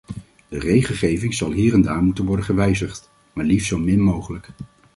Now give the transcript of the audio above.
De regelgeving zal hier en daar moeten worden gewijzigd, maar liefst zo min mogelijk.